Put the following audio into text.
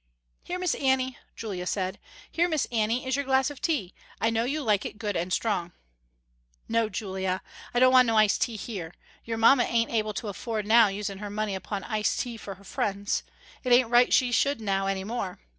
"Here Miss Annie," Julia said, "Here, Miss Annie, is your glass of tea, I know you like it good and strong." "No, Julia, I don't want no ice tea here. Your mamma ain't able to afford now using her money upon ice tea for her friends. It ain't right she should now any more.